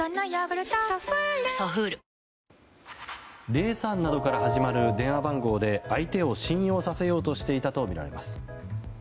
０３などから始まる電話番号で相手を信用させようとしたとみられています。